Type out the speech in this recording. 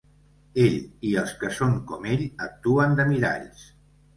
Ell i els que són com ell actuen de miralls.